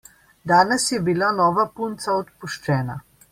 Danes je bila nova punca odpuščena.